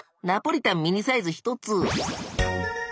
ナポリタンミニサイズ１つ！